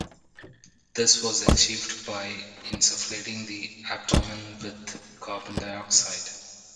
This was achieved by insufflating the abdomen with carbon dioxide.